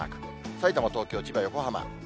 さいたま、東京、千葉、横浜。